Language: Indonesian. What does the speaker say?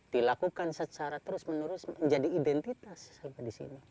dilakukan secara terus menerus menjadi identitas